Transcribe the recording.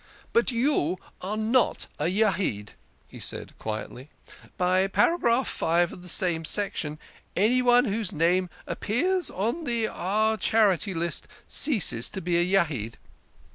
" But you are not a Yahid," he said quietly. " By Para graph V. of the same section, any one whose name appears on the Charity List ceases to be a Yahid."